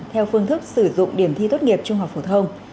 theo phương thức sử dụng điểm thi tốt nghiệp trung học phổ thông